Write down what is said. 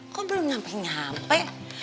kok belum nyampe nyampe